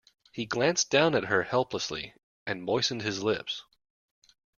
He glanced down at her helplessly, and moistened his lips.